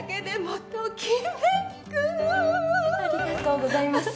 ありがとうございます。